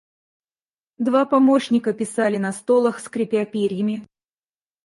Два помощника писали на столах, скрипя перьями.